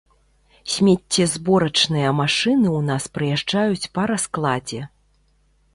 Смеццезборачныя машыны ў нас прыязджаюць па раскладзе.